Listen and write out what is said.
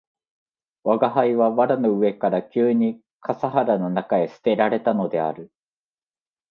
吾輩は藁の上から急に笹原の中へ棄てられたのである